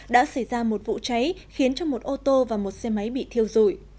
đã xảy ra một vụ cháy khiến một ô tô và một xe máy bị thiêu rủi